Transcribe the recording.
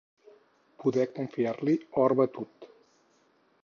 Poder confiar-li or batut.